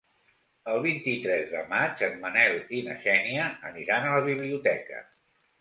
El vint-i-tres de maig en Manel i na Xènia aniran a la biblioteca.